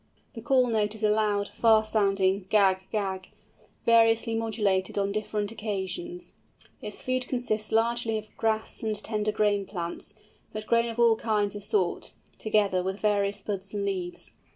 The call note is a loud, far sounding gag gag, variously modulated on different occasions. Its food consists largely of grass and tender grain plants, but grain of all kinds is sought, together with various buds and leaves.